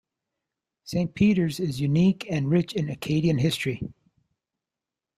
Saint Peter's is unique and rich in Acadian history.